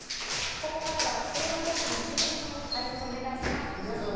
ここからは気象予報士の藤富さんに解説をお願いします。